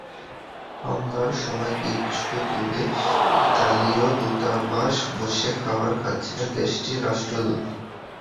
হামলার সময় কিছু দূরে ইতালীয় দূতাবাসে বসে খাবার খাচ্ছিলেন দেশটির রাষ্ট্রদূত।